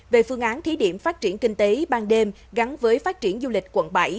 về phương án thí điểm phát triển kinh tế ban đêm gắn với phát triển du lịch quận bảy